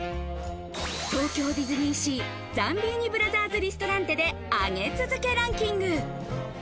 東京ディズニーシー、ザンビーニ・ブラザーズ・リストランテで上げ続けランキング。